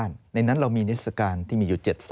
ในนั้นเรามีนิวนี้สการที่